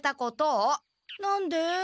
何で？